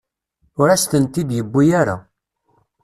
Ur asen-tent-id-yuwi ara.